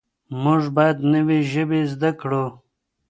موږ باید نوې ژبې زده کړو.